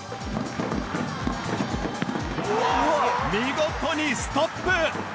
見事にストップ！